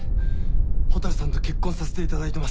蛍さんと結婚させていただいてます